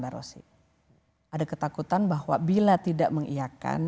ada ketakutan bahwa bila tidak mengiakan